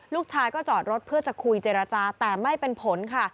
ลูกชายก็จอดรถเพื่อจะคุยเจรจาแต่ไม่เป็นผลค่ะ